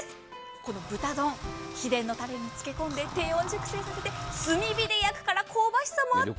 この豚丼秘伝のタレに漬け込んで低温熟成させて炭火で焼くから香ばしさもあって。